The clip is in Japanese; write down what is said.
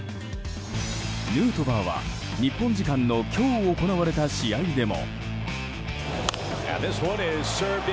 ヌートバーは日本時間の今日行われた試合でも。